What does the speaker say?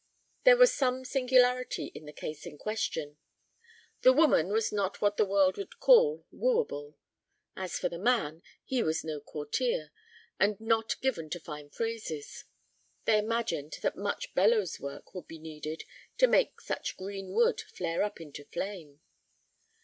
There was some singularity in the case in question. The woman was not what the world would call wooable. As for the man, he was no courtier, and not given to fine phrases. They imagined that much bellows work would be needed to make such green wood flare up into flame.